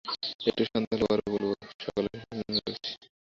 একটু শান্ত হলে পর বললে, সরলার উপর অন্যায় করেছি।